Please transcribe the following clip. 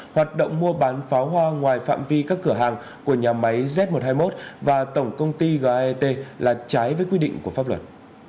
hoạt động mua bán pháo hoa ngoài phạm vi các cửa hàng của nhà máy z một trăm hai mươi một và tổng công ty gat là trái với quy định của pháp luật